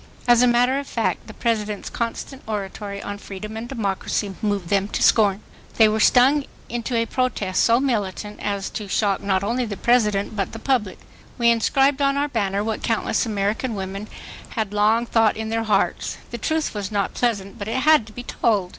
As a matter of fact the President's constant oratory on freedom and democracy moved them to scorn. They were stung into a protest so militant as to shock not only the President but the public. We inscribed on our banner what countless American women' had long thought in their hearts. The truth was not pleasant but it had to be told.